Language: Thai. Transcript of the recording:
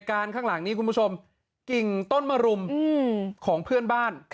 ในประกายการข้างหลังนี้คุณผู้ชมกิ่งต้นมรุมของเพื่อนบ้าน